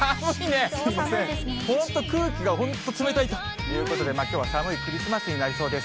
本当、空気が本当に冷たいということで、きょうは寒いクリスマスになりそうです。